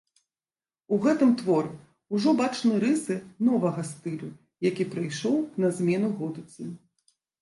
У гэтым творы ўжо бачны рысы новага стылю, які прыйшоў на змену готыцы.